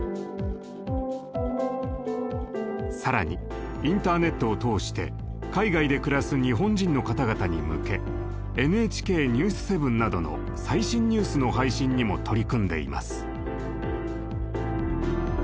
更にインターネットを通して海外で暮らす日本人の方々に向け「ＮＨＫニュース７」などの最新ニュースの配信にも取り組んでいます。